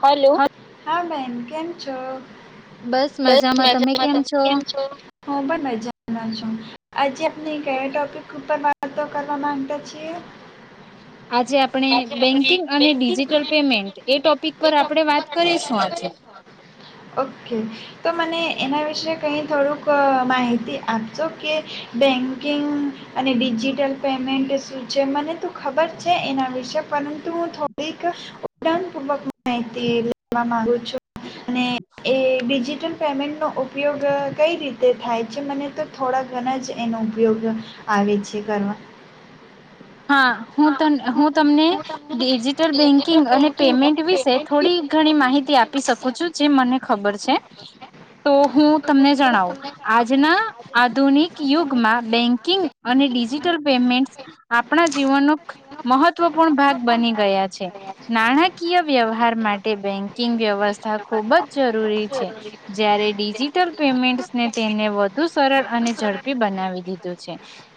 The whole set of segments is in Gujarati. હલો હા હા બેન કેમ છો? બસ મજામાં તમે કેમ છો? હું પણ મજામાં છું. આજે આપણે કયા ટોપિક. ઉપર વાતો કરવા માંગતા છીએ. આજે આપણે બેંકિંગ અને ડિજિટલ પેમેન્ટ એ ટોપિક. પર આપડે વાત કરીશું આજે. ઓકે તો મને એના વિશે કઈ થોડુંક માહિતી આપજો કે બેકિંગ. અને ડિજિટલ પેમેન્ટ જે મને તું ખબર છે એના વિશે પરંતુ થોડીક ઊંડાનપૂર્વક માહિત એ માગું છું. અને એ ડિજિટલ પેમેન્ટ નો ઉપયોગ કઈ રીતે થાય છે મને તો થોડા ઘણા જ એનો ઉપયોગ આવે છે કરવા. હા હું ત હું તમને ડિજિટલ બેંકિંગ અને પેમેન્ટ વિશે થોડી ઘણી માહિતી આપી શકું છું જે મને ખબર છે તો હું તમને જણાવું આજના આધુનિક યુગમાં બેંકિંગ અને ડિજિટલ પેમેન્ટ આપણા જીવનનું મહત્વ ભાગ બની ગયા છે નાણાકીય વ્યવહાર માટે બેન્કિંગ વ્યવસ્થા ખૂબ જ જરૂરી છે જ્યારે ડિજિટલ પેમેન્ટને તેને વધુ સરળ અને ઝડપી બનાવી દીધું છે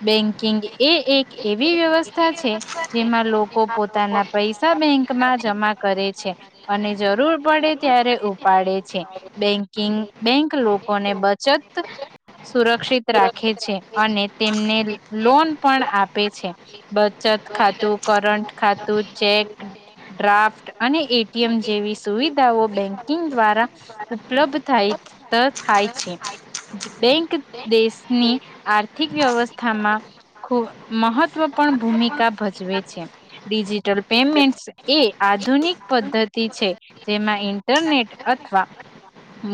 બેન્કિંગ એ એક એવી વ્યવસ્થા છે જેમાં લોકો પોતાના પૈસા બેંકમાં જમા કરે છે અને જરૂર પડે ત્યારે ઉપાડે છે બેંકિંગ બેંક લોકો ને બચત સુરક્ષિત રાખે છે અને તેમને લોન પણ આપ પે છે બચત ખાતું કરંટ ખાતું ચેક ડ્રાફ્ટ અને એટીએમ જેવી સુવિધાઓ બેન્કિંગ દ્વારા ઉપલબ્ધ થાય થાય છે બેંક દેશની આથ આર્થિક વ્યવસ્થામાં ખૂબ મહત્વપ ભૂમિકા ભજવે છે ડિજિટલ પેમેન્ટ એ આધુનિક પદ્ધતિ છે જેમાં ઇન્ટરનેટ અથવા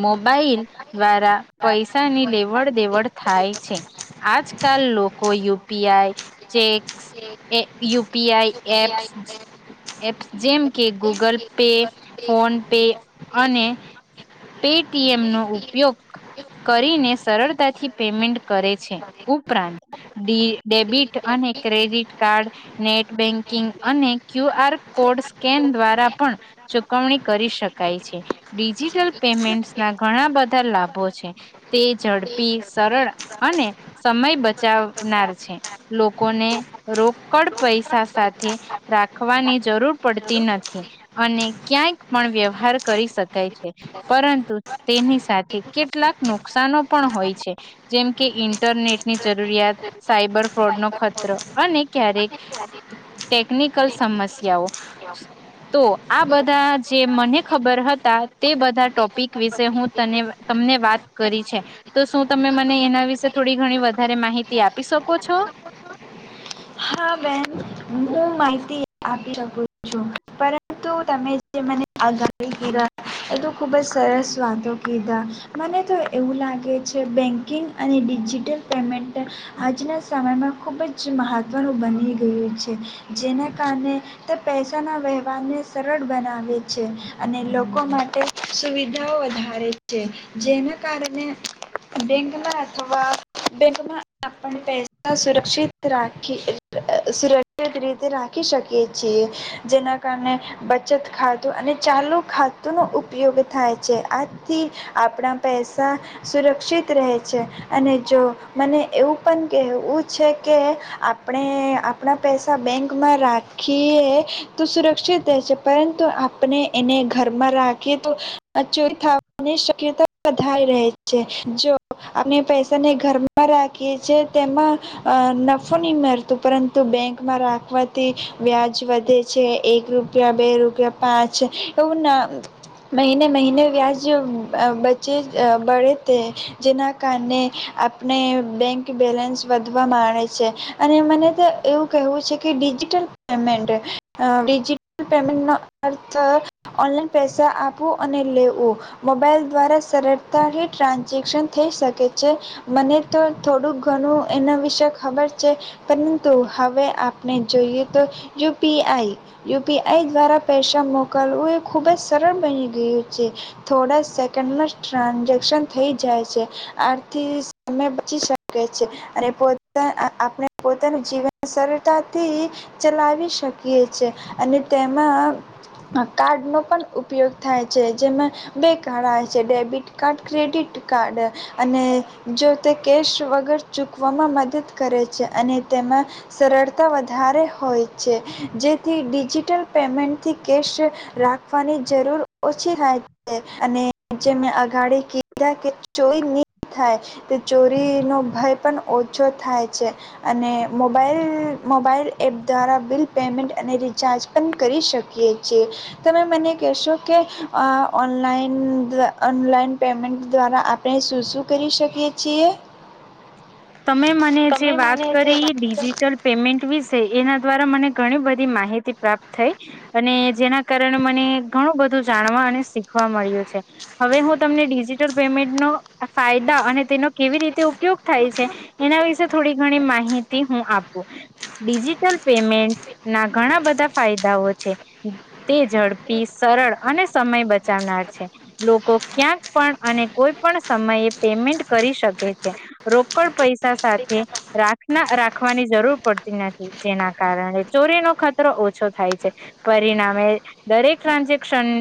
મોબાઈલ દ્વારા પૈસાની લેવડ દેવડ થાય છે આજકાલ લોકો U P I check U P I apps apps જેમ કે ગૂગલ પે ફોન પે અને પેટીએમ નો ઉપયોગ કરીને સરળતાથી પેમેન્ટ કરે છે ઉપરાંત ડે ડેબિટ અને ક્રેડિટ કાર્ડ નેટ બેન્કિંગ અને ક્યુ આર કોડ સ્કેન દ્વારા પણ ચુકવણી કરી શકાય છે ડિજિટલ પેમેન્ટ ના ઘણા બધા લાભો છે તે ઝડપી સરળ અને સમય બચાવનાર છે લોકોને રોકડ પૈસા સાથે રાખવાની જરૂર પડતી નથી અને ક્યાંય પણ વ્યવહાર કરી શકાય છે પરંતુ તેની સાથે કેટલાક નુકસાનો પણ હોય છે જેમ કે ઇન્ટરનેટની જરૂરિયાત સાયબર ફ્રોડ નો ખતરો અને ક્યારેક ટેકનિકલ સમસ્યાઓ તો આ બધા જે મને ખબર હતા તે બધા ટોપિક વિશે હું તને તમને વાત કરી છે તો શું તમે મને એના વિશે થોડી ઘણી વધારે માહિતી આપી શકો છો? હા બેન હું માઇ માહિતી આપી શકું છું. તો તમે જે મને આગાડી તો ખૂબ જ સરસ વાતો કીધા મને તો એવું લાગે છે બેન્કિંગ અને ડિજિટલ પેમેન્ટ આજના સમયમાં ખૂબ જ મહત્ત્વનું બની ગયું છે છે જેના કારણે તે પૈસાના વ્યવહારને સરળ બનાવે છે અને લોકો માટે સુવિધાઓ વધારે છે જેના કારણે બેંકમાં અથવા બેકમાં આપણે પૈસા સુરક્ષિત રાખી સુરક્ષિત રીતે રાખી શકીએ છીએ જેના કારણે બચત ખાતું અને ચાલુ ખાતું નું ઉપ ઉપયોગ થાય છે આથી આપણા પૈસા સુરક્ષિત રહે છે અને જો મને એવું પણ કહેવું છે કે આપણે આપણા પૈસા બેંકમાં રાખીએ તો સુરક્ષિત રહે છે પરંતુ આપણે એને ઘરમાં રાખી ચોરી થવાની શક્યતા વધાય રહે છે જો આપણે પૈસાને ઘરમાં રાખીએ છે તેમાં નફો નહી મળતું પરંતુ બેંકમાં રાખવાથી વ્યાજ વધે છે એક રૂપિયા બે રૂપિયા પાંચ એવું ના મહિને મહિને વ્યાજ બચે બળે તે જેના કારણે આપણે બેંક બેલેન્સ વધવા માંડે છે અને મને તો એવું કહેવું છે કે ડિજિટલ પેમેન્ટ ડિજિટલ પેમેન્ટનો અર્થ ઓનલાઈન પૈસા આપવું અને લેવું મોબાઈલ દ્વારા સરળતાથી ટ્રાન્ઝેક્શન થઈ શકે છે મને તો થોડુંક ઘણું એના વિશે ખબર છે પરંતુ હવે આપણે જોઈએ તો U P I U P I દ્વારા પૈસા મોકલવું એ ખૂબ જ સરળ બની ગયું છે થોડા સેકન્ડમાં જ ટ્રાન્ઝેક્શન થઈ જાય છે આથી સમય બચી શકે છે અને પોતા આપણે પોતાનું જીવન સરળતાથી ચલાવી શકીએ છેએ અને તેમાં કાર્ડનો પણ ઉપયોગ થાય છે જેમાં બે કાર્ડ આવે છે ડેબિટ કાર્ડ ક્રેડિટ કાર્ડ અને જો તે કેશ વગર ચૂકવામાં મદદ કરે છે અને તેમાં સરળતા વધારે હોય છે જેથી ડિજિટલ પેમેન્ટથી કેશ રાખવાની જરૂર ઓછી થાય છે અને જે મેં અગાડી કીધા કે ચોરી નહી થાય તે ચોરીનો ભય પણ ઓછો થાય છે અને મોબાઈલ મોબાઈલ એપ દ્વારા બિલ પેમેન્ટ અને રિચાર્જ પણ કરી શકીએ છીએ તમે મને કહેશો કે ઓનલાઈન ઓનલાઈન પેમેન્ટ દ્વારા આપણે શું શું કરી શકીએ છીએ. તમે મને જે વાત કરી ડિજિટલ પેમેન્ટ વિશે એના દ્વારા મને ઘણી બધી માહિતી પ્રાપ્ત થઈ અને જેના કારણે મને ઘણું બધું જાણવા અને શીખવા મળ્યું છે હવે હું તમને ડિજિટલ પેમેન્ટ નો ફાયદા અને તેનો કેવી રીતે ઉપ ઉપયોગ થાય છે એના વિશે થોડી ઘણી માહિતી હું આપું ડિજિટલ પેમેન્ટ ના ઘણા બધા ફાયદાઓ છે તે ઝડપી સરળ અને સમય બચાવનાર છે લોકો ક્યાંક પણ અને કોઈ પણ સમયે પેમેન્ટ કરી શકે છે રોકડ પૈસા સાથે રાખના રાખવાની જરૂર પડતી નથી જેના કારણે ચોરીનો ખતરો ઓછો થાય છે પરિણામે દરેક ટ્રાન્ઝેક્શન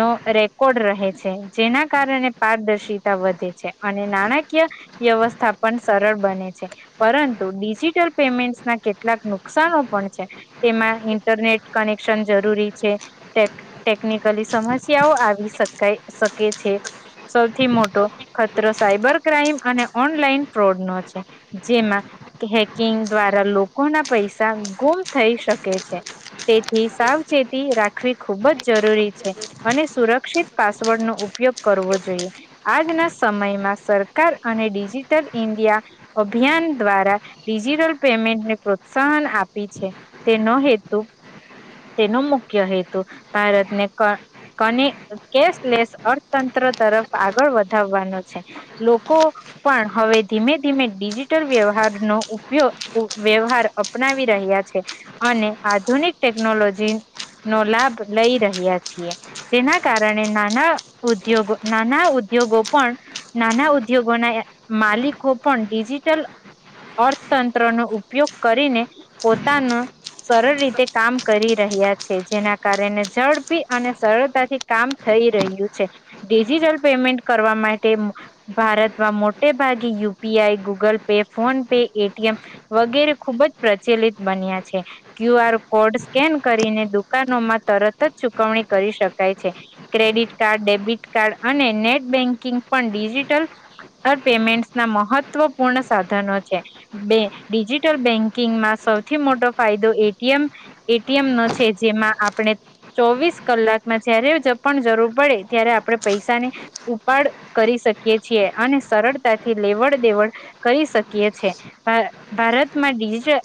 નો રેકોર્ડ રહે છે જેના કારણે પારદર્શિતા વધે છે અને નાણા કીય વ્યવસ્થા પણ સરળ બને છે પરંતુ ડિજિટલ પેમેન્ટ ના કેટલાક નુકસનો પણ છે તેમાં ઇન્ટરનેટ કનેક્શન જરૂરી છે ટેકનિકલી સમસ્યાઓ આવી શકાય શકે છે સૌથી મોટો ખતરો સાયબર ક્રાઈમ અને ઓનલાઈન ફ્રોડ નો છે જેમાં હેકિંગ દ્વારા લોકોના પૈસા ગુમ થઈ શકે છે તેથી સાવચેતી રાખવી ખુબ જ જરૂરી છે અને સુરક્ષિત પાસવર્ડ નો ઉપયોગ કરવો જોઈએ આજના સમયમાં સર સરકાર અને ડિજિટલ ઇન્ડિયા અભિયાન દ્વારા ડિજિટલ પેમેન્ટને પ્રોત્સાહન આપી છે તેનો હેતુ તેનો મુખ્ય હેતુ ભારતને કાને કેશલેસ અર્થતંત્ર તરફ આગળ વધાવવાનો છે લો લોકો પણ હવે ધીમે ધીમે ડિજિટલ વ્યવહારનો ઉપયોગ વ્યવહાર અપનાવી રહ્યા છે અને આધુનિક ટેકનોલોજી નો લાભ લઈ રહ્યા છીએ જેના કારણે નાના ઉદ્યોગો નાના ઉદ્યોગો પણ નાના ઉ ઉદ્યોગોના માલિકો પણ ડિજિટલ અર્થતંત્રનો ઉપયોગ કરીને પોતાનું સરળ રીતે કામ કરી રહ્યા છે જેના કારણે ઝડપી અને સરળતાથી કામ થઈ રહ્યું છે ડિજિટલ પેમેન્ટ કરવા માટે મો ભારતમાં મોટે ભાગે UPI Google Pay PhonePe ATM વગેરે ખુબ જ પ્રચલિત બન્યા છે ક્યુ આર કોડ સ્કેન કરીને દુકાનોમાં તરત જ ચુકવણી કરી શકાય છે ક્રેડિટ કાર્ડ ડેબિટ કાર્ડ અને નેટ બેન્કિંગ પણ ડિજિટલ ડિજિટલ પેમેન્ટ ના મહત્વપૂર્ણ સાધનો છે ડિજિટલ બેન્કિંગમાં સૌથી મોટો ફાયદો એટીએમ એટીએમ નો છે જેમાં આપણે ચોવીસ કલાકમાં જારે પણ જરૂર પડે ત્યારે આપણે પૈસાની ઉપાડ કરી શકીએ શકીએ છીએ અને સરળતાથી લેવડ દેવડ કરી શકીએ છે ભારતમાંજી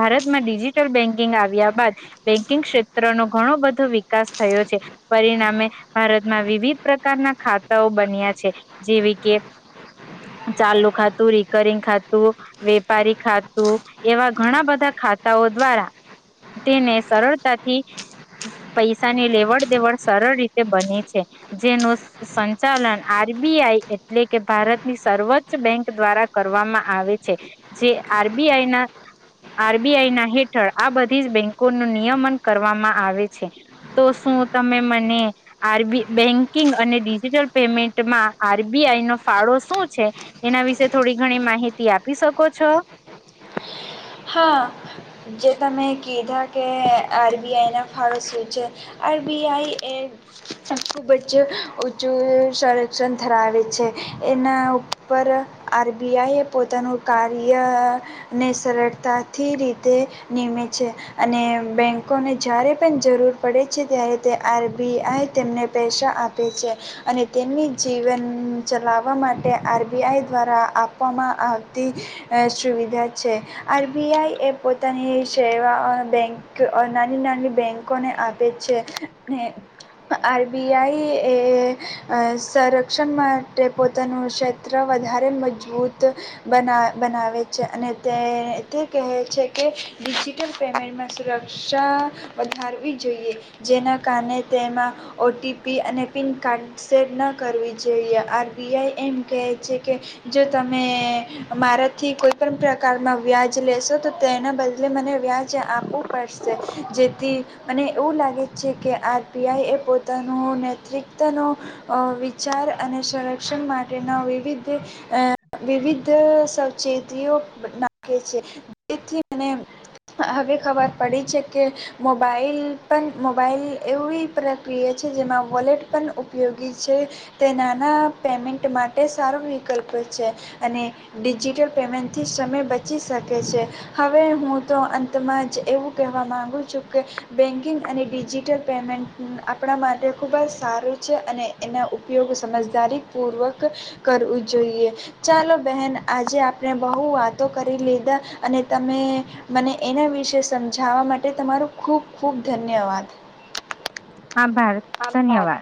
ભારતમાં ડિજિટલ બેન્કિંગ આવ્યા બાદ બેન્કિંગ ક્ષેત્રનો ઘણો બધો વિકાસ થયો છે પરિણામે ભારતમાં વિવિધ પ્રકારના ખાતાઓ બન્યા છે. જેવી કે ચાલુ ખાતું રિકરિંગ ખાતું વેપારી ખાતું એવા ઘણા બધા ખાતાઓ દ્વારા તેને સરળતાથી પૈસાની લેવડ દેવડ સરળ રીતે બને છે જેનું સંચાલન આ. આરબીઆઈ એટલે કે ભારતની સર્વોચ્ચ બેંક દ્વારા કરવામાં આવે છે જે આરબીઆઈ ના આરબીઆઈ ના હેઠળ આ બધી જ બેંકોનું નિયમન કરવામાં આવે છે તો શું તમે મને આરબી બેન્કિંગ અને ડિજિટલ પેમેન્ટ માં આરબીઆઈ નો ફાળો શું છે? એના વિશે થોડી ઘણી માહિતી આપી શકો છો. હા જે તમે કીધા કે આરબીઆઈ ના ફાડો શું છે આર બી આઈ એ ખૂબ જ ઊચું સંરક્ષણ ધરાવે છે. એના ઉપર આર બી આઈ એ પોતાનું કાર્યને સરળ તાથી રીતે નીમે છે અને બેંકોને જ્યારે પન જરૂર પડે છે ત્યારે તે આર બી આઈ તેમને પૈસા આપે છે અને તેમની જીવન ચલાવા માટે આર બી આઈ દ્વારા આપવામાં આવતી અ સુવિધા છે. આર બી આઈ એ પોતાની શેવાઓ બેંક અ નાની નાની બેન્કોને આપે છે. ને આર બી આઈ એ અ સરક્ષણ માટે પોતાનું ક્ષેત્ર વધારે મજબૂત બના બનાવે છે અને તે તે કહે છે કે, ડિજિટલ પેમેન્ટમાં સુરક્ષા વધારવી જોઈએ જેના કાને તેમાં ઓ ટી પી અને પિન કાડ સેટ ન કરવી જોઈએ. આર બી આઈ એમ કહે છે કે, જો તમે મારાથી કોઈપણ પ્રકારના વ્યા જ લેશો તો તેના બદલે મને વ્યાજ આપવું પડશે. જેથી મને એવું લાગે છે કે, આર પી આઈ એ પોતાનું નેત્રીકતનો અ વિચાર અને સંરક્ષણ માટેના વિવિધ અ વિવિધ સાવચેતીઓ નાખે છે. જેથી મને હ હવે ખબર પડી છે કે, મોબાઈલ પન મોબાઈલ એવી પ્રક્રિયા છે, જેમાં વોલેટ પન ઉપયોગી છે. તે નાના પેમેન્ટ માટે સારો વિકલ્પ છે અને ડિજિટલ પેમેન્ટથી સમય બચી શ કે છે. હવે હું તો અંતમાં જ એવું કહેવા માગું છું કે, બેન્કિંગ અને ડિજિટલ પેમેન્ટ આપણા માટે ખૂબ જ સારું છે અને એના ઉપયોગ સમજદારીપૂર્વક કરવું જોઈએ. ચાલો બહેન આજે આપણે બહુ વાતો કરી લીધા. અને તમે મને એના વિશે સમજાવા માટે તમારું ખૂબ ખુબ ધન્યવાદ. આભાર ધન્યવાદ